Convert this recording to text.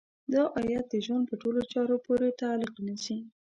دا ايت د ژوند په ټولو چارو پورې تعلق نيسي.